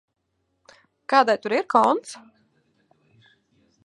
Kādai tur ir konts?